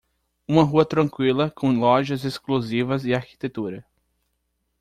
Uma rua tranquila com lojas exclusivas e arquitetura.